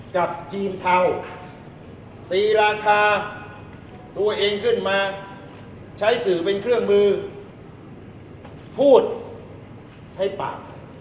กับจีนเทาตีราคาตัวเองขึ้นมาใช้สื่อเป็นเครื่องมือพูดใช้ปาก